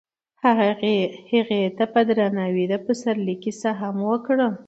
هغه هغې ته په درناوي د پسرلی کیسه هم وکړه.